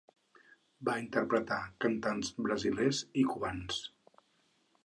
Va interpretar cantants brasilers i cubans.